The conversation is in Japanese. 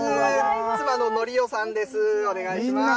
妻の紀代さんです。